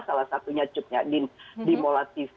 salah satunya cut nyadin di mola tv